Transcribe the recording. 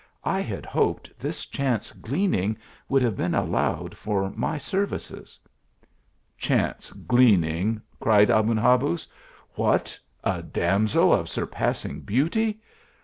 I had hoped this chance gleaning would have been allowed for my services." " Chance gleaning !" cried Aben Habuz. " What ! a damsel of surpassing beauty